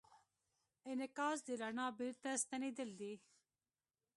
انعکاس د رڼا بېرته ستنېدل دي.